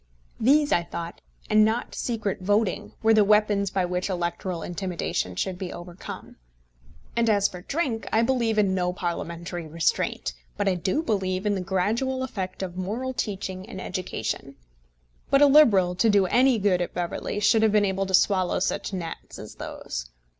These, I thought, and not secret voting, were the weapons by which electoral intimidation should be overcome. And as for drink, I believe in no Parliamentary restraint; but I do believe in the gradual effect of moral teaching and education. But a Liberal, to do any good at Beverley, should have been able to swallow such gnats as those.